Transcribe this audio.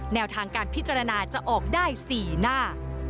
แนวทางการพิจารณาจะออกได้๔หน้า